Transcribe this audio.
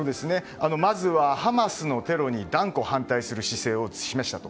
まずは、ハマスのテロに断固反対する姿勢を示したと。